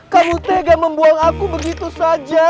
kamu tega membuang aku begitu saja